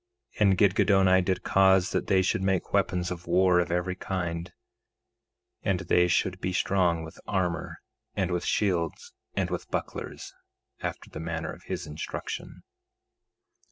And Gidgiddoni did cause that they should make weapons of war of every kind, and they should be strong with armor, and with shields, and with bucklers, after the manner of his instruction.